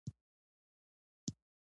ده وویل چې روژه د همټولیو سره تجربه شوې.